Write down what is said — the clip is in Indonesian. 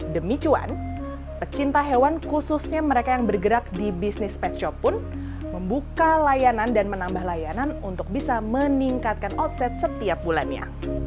demi cuan pecinta hewan khususnya mereka yang bergerak di bisnis pet shop pun membuka layanan dan menambah layanan untuk bisa meningkatkan omset setiap bulannya